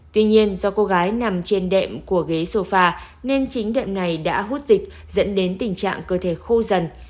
tuy nhiên do cô gái nằm trên đệm của ghế sô phà nên chính đệm này đã hút dịch dẫn đến tình trạng cơ thể khô dần